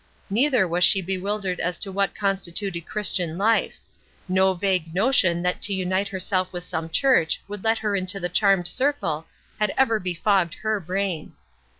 Neither was she bewildered as to what constituted Christian life. No vague notion that to unite herself with some church would let her into the charmed circle had ever befogged her brain.